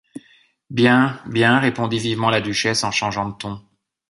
Bien, bien... répondit vivement la duchesse en changeant de ton.